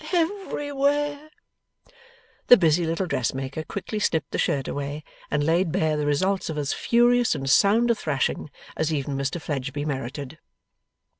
Everywhere!' The busy little dressmaker quickly snipped the shirt away, and laid bare the results of as furious and sound a thrashing as even Mr Fledgeby merited.